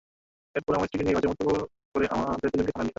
এরপর আমার স্ত্রীকে নিয়ে বাজে মন্তব্য করে আমাদের দুজনকেই থানায় নিয়ে যান।